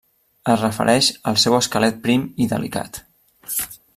Es refereix al seu esquelet prim i delicat.